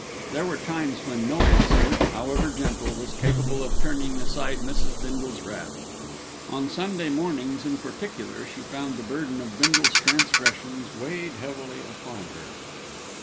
There were times when no answer, however gentle, was capable of turning aside Mrs. Bindle's wrath. On Sunday mornings in particular she found the burden of Bindle's transgressions weigh heavily upon her.